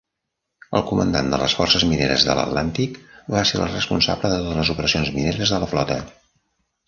El comandant de les Forces Mineres de l'Atlàntic va ser el responsable de totes les operacions mineres de la flota.